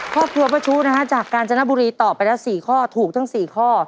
ครอบครัวป้าชู้นะฮะจากกาญจนบุรีตอบไปแล้ว๔ข้อถูกทั้ง๔ข้อ